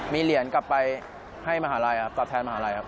มีเหรียญกลับไปให้มหาลัยครับตอบแทนมหาลัยครับ